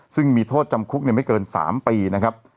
ซึ่งมีโทษจำคุกไม่เกิน๓ปีนะครับ